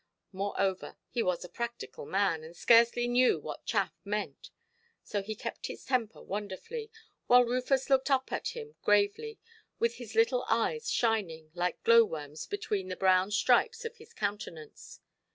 Moreover, he was a practical man, and scarcely knew what chaff meant. So he kept his temper wonderfully, while Rufus looked up at him gravely, with his little eyes shining like glow–worms between the brown stripes of his countenance.